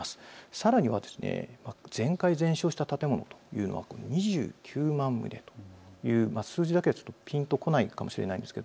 さらには、全壊、全焼した建物というのは２９万棟という数字だけではぴんとこないかもしれないんですが